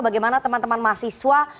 bagaimana teman teman mahasiswa